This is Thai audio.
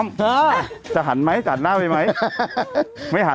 กระดาษที่ยัดในท้าวนั่นจะจับดูใช่ไหมถุงเท้าหรือเปล่า